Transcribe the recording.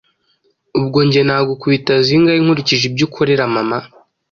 ubwo njye nagukubita zingahe nkurikije ibyo ukorera mama!”